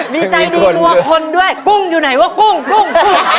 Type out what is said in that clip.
มีใจมีมัวคนด้วยกุ้งอยู่ไหนวะกุ้งกุ้งกุ้ง